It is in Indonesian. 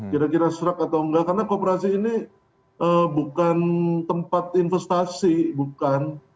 kira kira serak atau enggak karena kooperasi ini bukan tempat investasi bukan